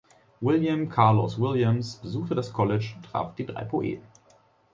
William Carlos Williams besuchte das College und traf die drei Poeten.